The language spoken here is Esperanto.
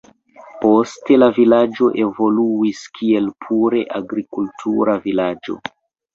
Poste la vilaĝo evoluis kiel pure agrikultura vilaĝo.